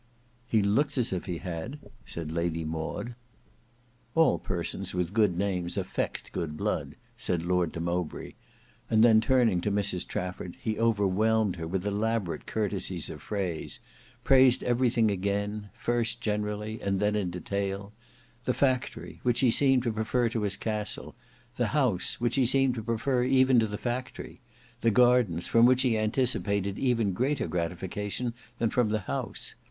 "He looks as if he had," said Lady Maud. "All persons with good names affect good blood," said Lord de Mowbray; and then turning to Mrs Trafford he overwhelmed her with elaborate courtesies of phrase; praised everything again; first generally and then in detail; the factory, which he seemed to prefer to his castle—the house, which he seemed to prefer even to the factory—the gardens, from which he anticipated even greater gratification than from the house.